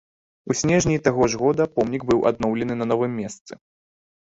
У снежні таго ж года помнік быў адноўлены на новым месцы.